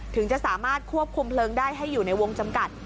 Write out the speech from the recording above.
ถึงจะสามารถควบคุมเพลิงได้ให้อยู่ในวงจำกัด